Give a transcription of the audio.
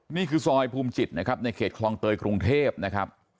นี่คือซอยภูมิจิตนะครับในเขตคลองเตยกรุงเทพนะครับ